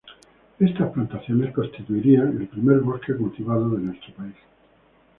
Estas plantaciones constituirían el primer bosque cultivado de nuestro país.